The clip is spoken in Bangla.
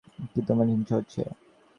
কি, তোমার হিংসা হচ্ছে?